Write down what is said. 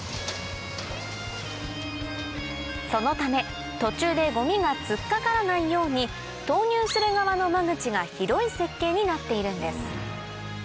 そのため途中でごみがつっかからないように投入する側の間口が広い設計になっているんです